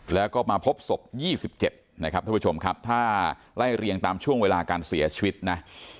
แล้วก็มาพบศพ๒๗นะครับท่านผู้ชมครับถ้าไล่เรียงตามช่วงเวลาการเสียชีวิตนะ